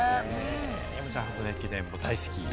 山ちゃん、箱根駅伝が大好きですね。